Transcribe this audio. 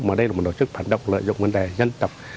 mà đây là một tổ chức phản động lợi dụng vấn đề dân tộc